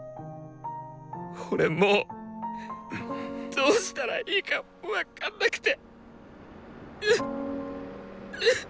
俺もうどうしたらいいか分かんなくて！